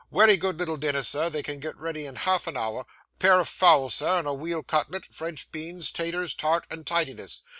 Wery good little dinner, sir, they can get ready in half an hour pair of fowls, sir, and a weal cutlet; French beans, 'taturs, tart, and tidiness.